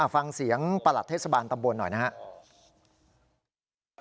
ฟังเสียงประหลัดเทศบาลตำบลหน่อยนะครับ